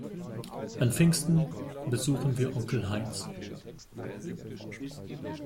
An Pfingsten besuchen wir Onkel Heinz.